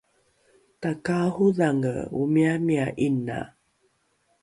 takaarodhange omiamia ’ina